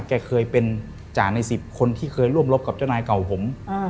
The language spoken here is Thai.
จะเป็นจานใน๑๐คนที่เคยร่วมรบกับชนายเก่าผม